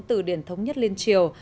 từ điển thống nhất liên triều